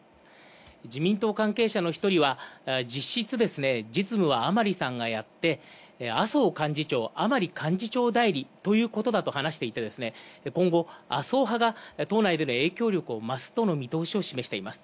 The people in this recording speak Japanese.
自民党関係者の一人は、実質、実務は甘利さんがやって、麻生幹事長、甘利幹事長代理ということだと話していて、今後麻生派が党内での影響力を増すとの見通しを示しています。